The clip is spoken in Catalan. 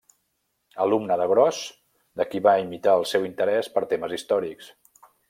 Alumne de Gros, de qui va imitar el seu interès per temes històrics.